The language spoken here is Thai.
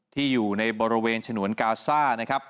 อยู่ในบริเวณฉนวนกาซ่านะครับ